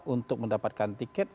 untuk mendapatkan tiket